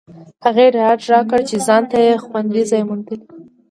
هغې ډاډ راکړ چې ځانته یې خوندي ځای موندلی دی